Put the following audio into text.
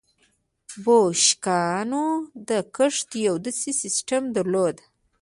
بوشنګانو د کښت یو داسې سیستم درلود.